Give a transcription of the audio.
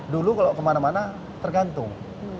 dulu kalau kemana mana tergantung